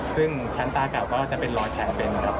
ซึ่งชั้นตากล่าวว่าจะเป็นรอยแขนเป็นครับ